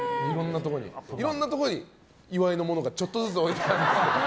いろんなところに岩井のものがちょっとずつ置いてある。